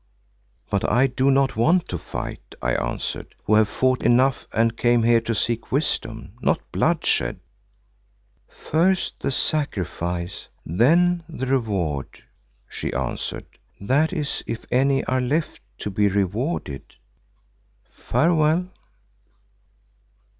"But I do not want to fight," I answered, "who have fought enough and came here to seek wisdom, not bloodshed." "First the sacrifice, then the reward," she answered, "that is if any are left to be rewarded. Farewell."